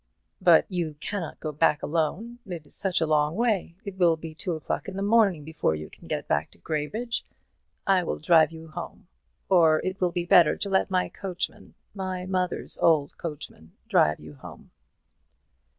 "But you cannot go back alone; it is such a long way. It will be two o'clock in the morning before you can get back to Graybridge. I will drive you home; or it will be better to let my coachman my mother's old coachman drive you home."